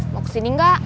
mau kesini gak